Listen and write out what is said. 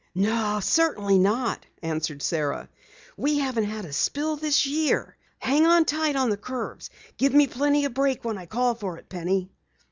"No, certainly not," answered Sara. "We haven't had a spill this year. Hang tight on the curves. Give me plenty of brake when I call for it, Penny."